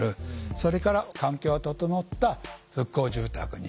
それから環境が整った復興住宅に行く。